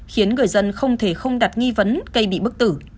khiến người dân không thể không đặt nghi vấn cây bị bức tử